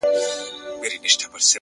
• په دريو مياشتو كي به لاس درنه اره كړي,